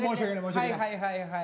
はいはいはいはい。